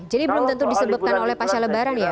jadi belum tentu disebutkan oleh pasha lebaran ya